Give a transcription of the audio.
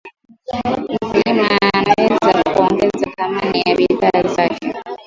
Mkulima anaweza kuongeza thamani ya bidhaa zake